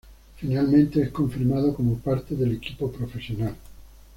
Finalmente es confirmado como parte del equipo profesional.